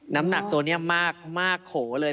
น้ำหนักตัวนี้มากโขเลย